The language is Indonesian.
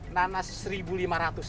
nanas seribu lima ratus